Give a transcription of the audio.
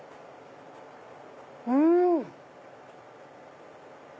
うん！